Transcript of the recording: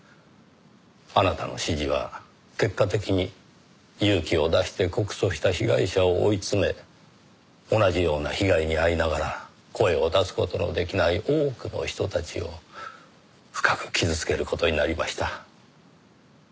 あなたの指示は結果的に勇気を出して告訴した被害者を追い詰め同じような被害に遭いながら声を出す事の出来ない多くの人たちを深く傷つける事になりました。